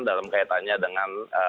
dalam kaitannya dengan